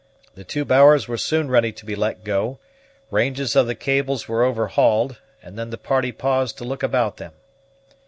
The two bowers were soon ready to be let go, ranges of the cables were overhauled, and then the party paused to look about them.